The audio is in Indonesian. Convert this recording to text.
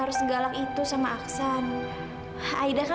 tidak amat baik